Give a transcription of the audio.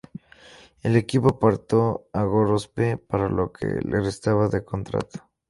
El equipo apartó a Gorospe para lo que le restaba de contrato.